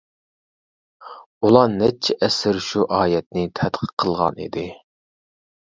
ئۇلار نەچچە ئەسىر شۇ ئايەتنى تەتقىق قىلغان ئىدى.